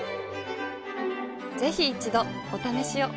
ぜひ一度お試しを。